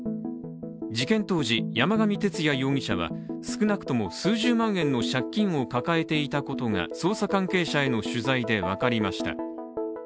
事件当時、山上徹也容疑者は少なくとも数十万円の借金を抱えていたことが捜査関係者への取材で分かりました。